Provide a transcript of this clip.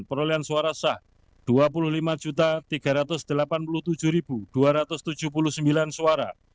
perolehan suara sah dua puluh lima tiga ratus delapan puluh tujuh dua ratus tujuh puluh sembilan suara